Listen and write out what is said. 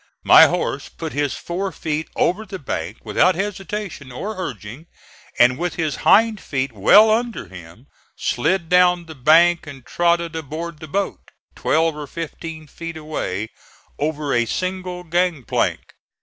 My horse put his fore feet over the bank without hesitation or urging, and with his hind feet well under him, slid down the bank and trotted aboard the boat, twelve or fifteen feet away, over a single gang plank.